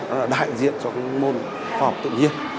nó là đại diện cho môn khoa học tự nhiên